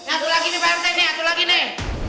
atu lagi nih pak rt atu lagi nih